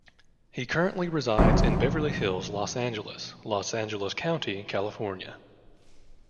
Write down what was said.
He currently resides in Beverly Hills, Los Angeles, Los Angeles County, California.